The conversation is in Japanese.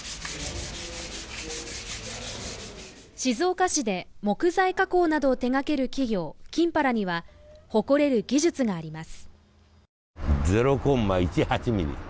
静岡市で木材加工などを手がける企業、きんぱらには誇れる技術があります。